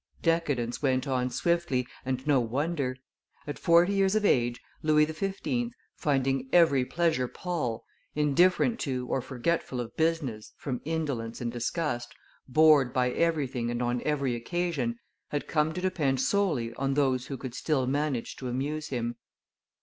Decadence went on swiftly, and no wonder. At forty years of age Louis XV., finding every pleasure pall, indifferent to or forgetful of business from indolence and disgust, bored by everything and on every occasion, had come to depend solely on those who could still manage to amuse him.